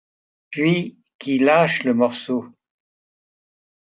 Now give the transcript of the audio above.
Puis qui lâche le morceau.